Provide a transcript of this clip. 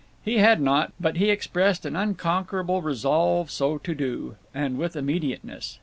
He had not, but he expressed an unconquerable resolve so to do, and with immediateness.